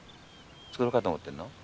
作ろうかと思ってんの？